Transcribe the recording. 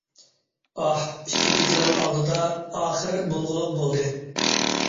ئاھ... ئىككى كېچىنىڭ ئالدىدا، ئاخىر بولغۇلۇق بولدى.